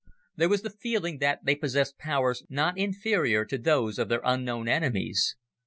There was the feeling that they possessed powers not inferior to those of their unknown enemies.